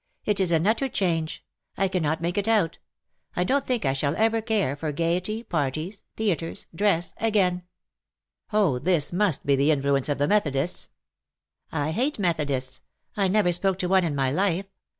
" It is an utter change. I cannot make it out. I don^'t think I shall ever care for gaiety — parties — theatres — dress — again. '^ "Oh, this must be the influence of the Methodists.'^ "I hate Methodists ! I never spoke to one in my life.